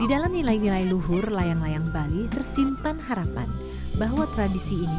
di dalam nilai nilai luhur layang layang bali tersimpan harapan bahwa tradisi ini